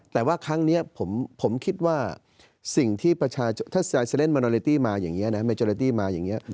แต่ว่าครั้งนี้ผมคิดว่าถ้าเซเลนส์มันโนเรตี้มาอย่างเงี้ยนะมันโนเรตี้มาอย่างเงี้ย